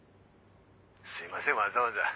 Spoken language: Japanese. すいませんわざわざ。